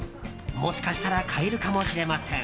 もしかしたら買えるかもしれません。